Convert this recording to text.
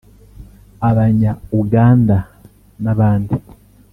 Abanya Uganda n’abandi